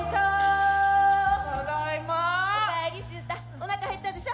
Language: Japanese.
おなか減ったでしょ？